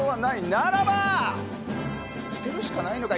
ならば、捨てるしかないのか？